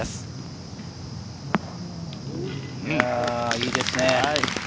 いいですね。